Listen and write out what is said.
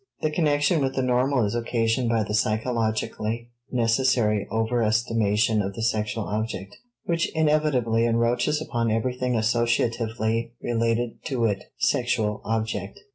The connection with the normal is occasioned by the psychologically necessary overestimation of the sexual object, which inevitably encroaches upon everything associatively related to it (sexual object).